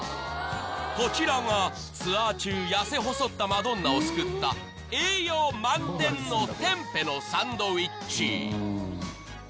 こちらがツアー中痩せ細ったマドンナを救った栄養満点のテンペのサンドイッチ